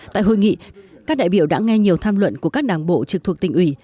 tại hội nghị các đại biểu đã nghe nhiều tham luận của các đảng bộ trực thuộc tỉnh ủy